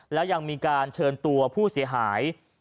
แล้วยังมีการเชิญตัวผู้เสียหาย